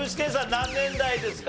何年代ですか？